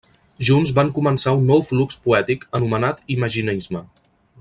Junts van començar un nou flux poètic anomenat imaginisme.